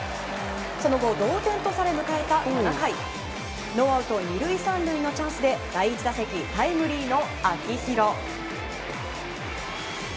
その後、同点とされ迎えた７回ノーアウト２塁３塁のチャンスで第１打席、タイムリーの秋広。